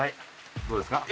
どうですか？